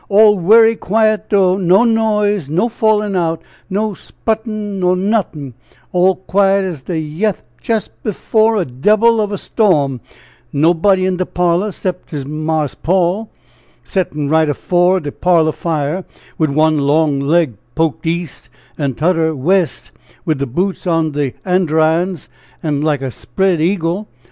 all werry quiet dough no noise, no fallin' out, no 'sputin' nor nothin' all quiet as de yeth jest afore a debbil ob a storm nobody in de parlor 'cept 'tis Marse Paul, settin' right afore de parlor fire, wid one long leg poked east and toder west, wid the boots on de andirons like a spread eagle!